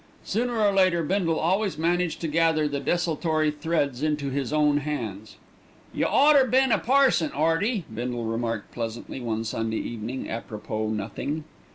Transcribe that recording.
Sooner or later Bindle always managed to gather the desultory threads into his own hands. "Y' oughter been a parson, 'Earty," Bindle remarked pleasantly one Sunday evening àpropos nothing.